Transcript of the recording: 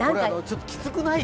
きつくない？